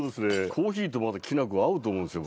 コーヒーときな粉合うと思うんですよ。